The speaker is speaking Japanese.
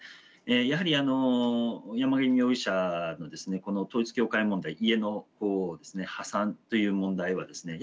やはり山上容疑者のこの統一教会問題家の破産という問題はですね